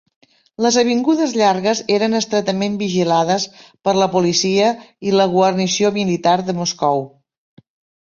Les avingudes llargues eren estretament vigilades per la policia i la guarnició militar de Moscou.